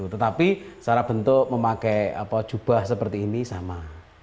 tetapi cara bentuk memakai jubah seperti ini sama